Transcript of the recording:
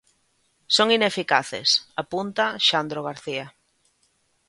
Son ineficaces, apunta Xandro García.